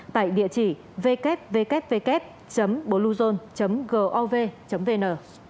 tại địa chỉ www bluezone gov vn